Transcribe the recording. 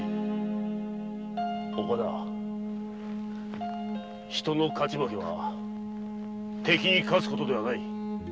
岡田人の勝ち負けは敵に勝つ事ではない。